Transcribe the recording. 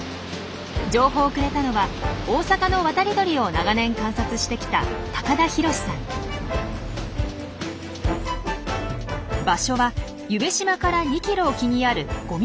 情報をくれたのは大阪の渡り鳥を長年観察してきた場所は夢洲から２キロ沖にあるゴミ